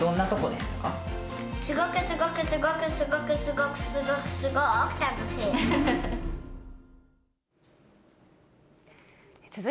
すごくすごくすごくすごくすごくすごーく楽しい。